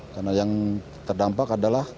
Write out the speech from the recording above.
karena yang terdampak adalah